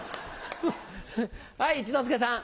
はい一之輔さん。